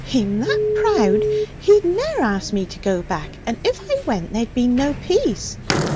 'He'm that proud, he'd ne'er ask me to go back. And if I went, there'd be no peace.